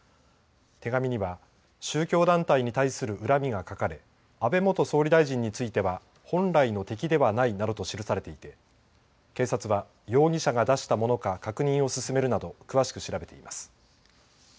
手紙には宗教団体に対する恨みが書かれ安倍元総理大臣については本来の敵ではないなどと記されていて警察は容疑者が出したものか確認を進めるなど詳しく調べています。